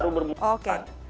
peningkatan kasusnya kayak